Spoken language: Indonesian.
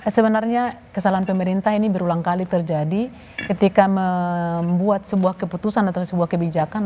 sebenarnya kesalahan pemerintah ini berulang kali terjadi ketika membuat sebuah keputusan atau sebuah kebijakan